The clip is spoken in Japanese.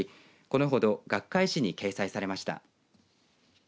このほど学会誌に掲載されました。